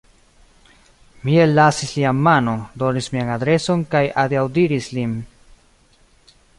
Mi ellasis lian manon, donis mian adreson kaj adiaŭdiris lin.